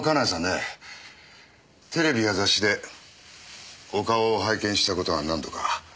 テレビや雑誌でお顔を拝見した事は何度か。